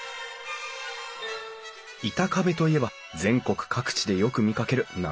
板壁といえば全国各地でよく見かける南京下見板張り。